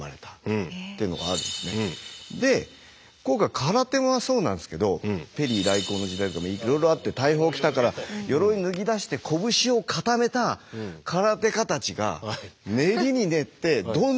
で今回空手もそうなんですけどペリー来航の時代とかいろいろあって大砲来たから鎧脱ぎだして拳を固めた空手家たちが練りに練ってどん詰まり。